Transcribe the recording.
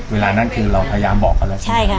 เวลานั้นคือเราพยายามบอกเขาแล้ว